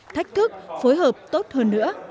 thách thức phối hợp tốt hơn nữa